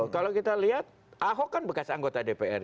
kalau kita lihat ahok kan bekas anggota dpr